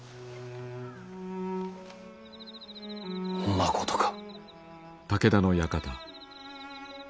まことか。